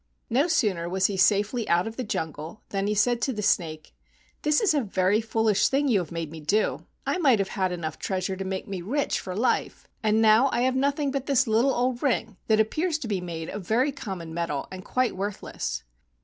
No sooner was he safely out of the jungle than he said to the snake, "This is a very foolish thing you have made me do. I might have had enough treasure to make me rich for life, and now I have nothing but this little old ring that appears to be made of very common metal and quite worthless."